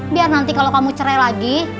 biar nanti kalau kamu cerai lagi